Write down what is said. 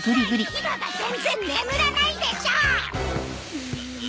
ひまが全然眠らないでしょ！